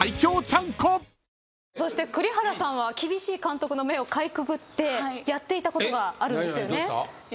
そして栗原さんは厳しい監督の目をかいくぐってやっていたことがあるんですよね。